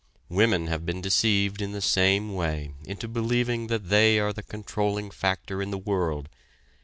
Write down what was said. Women have been deceived in the same way into believing that they are the controlling factor in the world.